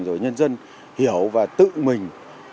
rồi nhân dân hiểu và tự mình